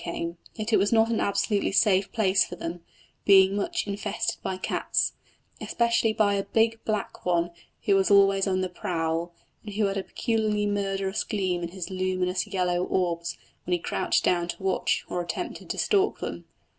Yet it was not an absolutely safe place for them, being much infested by cats, especially by a big black one who was always on the prowl, and who had a peculiarly murderous gleam in his luminous yellow orbs when he crouched down to watch or attempted to stalk them.